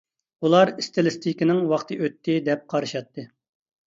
ئۇلار ئىستىلىستىكىنىڭ ۋاقتى ئۆتتى دەپ قارىشاتتى.